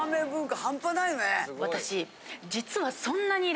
私実は。